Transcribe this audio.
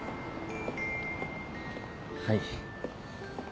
はい。